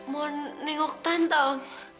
mau nengok tante om